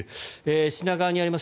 品川にあります